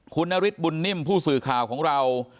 คุณนฤทธบุญนิ่มผู้สื่อข่าวของเรา